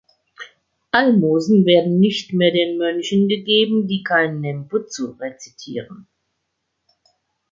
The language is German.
Almosen werden nicht mehr den Mönchen gegeben, die kein Nembutsu rezitieren.